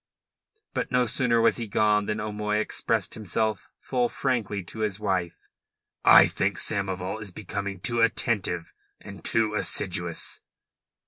But no sooner was he gone than O'Moy expressed himself full frankly to his wife. "I think Samoval is becoming too attentive and too assiduous."